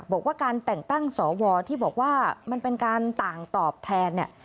บอกว่าการแต่งตั้งสวที่บอกว่ามันเป็นการต่างตอบแทนเนี่ย